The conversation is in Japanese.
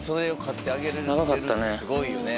長かったね。